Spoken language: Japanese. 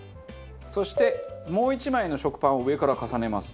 そしてもう１枚の食パンを上から重ねます。